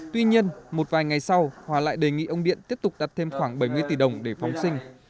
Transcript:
tuy nhiên một vài ngày sau hòa lại đề nghị ông điện tiếp tục đặt thêm khoảng bảy mươi tỷ đồng để phóng sinh